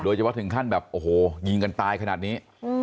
โดยเฉพาะถึงขั้นยิงกันตายขนาดนี้